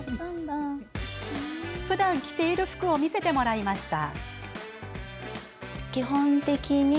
ふだん着ている服を見せてもらいました。